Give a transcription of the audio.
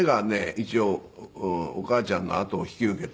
一応お母ちゃんの後を引き受けて。